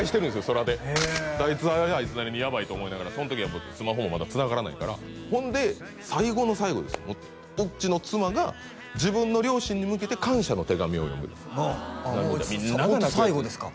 空であいつはあいつなりにやばいと思いながらその時はスマホもまだつながらないからほんで最後の最後ですようちの妻が自分の両親に向けて感謝の手紙を読む涙みんなが泣くやつですよ